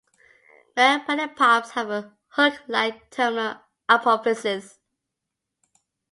Male pedipalps have a hook-like terminal apophysis.